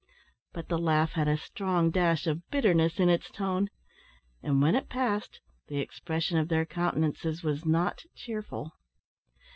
But the laugh had a strong dash of bitterness in its tone; and when it passed, the expression of their countenances was not cheerful.